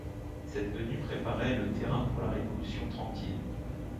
Cette venue préparait le terrain pour la Révolution tranquille.